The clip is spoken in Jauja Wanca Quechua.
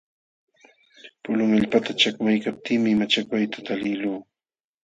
Pulun allpata chakmaykaptiimi machawayta taliqluu.